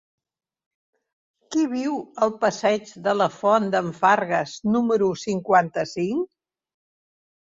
Qui viu al passeig de la Font d'en Fargues número cinquanta-cinc?